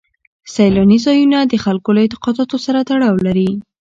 سیلاني ځایونه د خلکو له اعتقاداتو سره تړاو لري.